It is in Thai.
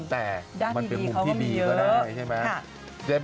แต่มันเป็นมุมที่ดีก็ได้ใช่ไหม